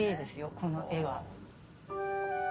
この絵は。